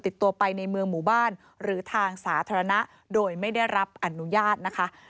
ติดตัวไปในเมืองหมู่บ้านหรือทางสาธารณะโดยไม่ได้รับอนุญาตนะคะ